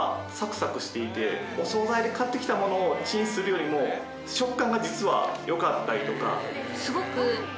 お惣菜で買ってきたものをチンするよりも食感が実は良かったりとか。